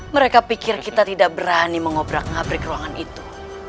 mereka pikir kita tidak berani mengobrak ngabrik ruangan itu